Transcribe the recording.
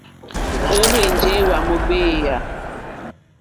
Òrzìɲɛ́ hwá mò ŋɡbèé ɛ̀yɔ̂.